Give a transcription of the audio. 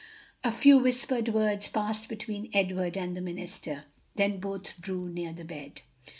A few whispered words passed between Edward and the minister, then both drew near the bed.